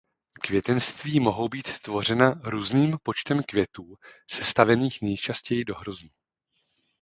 Květenství mohou být tvořena různým počtem květů sestavených nejčastěji do hroznů.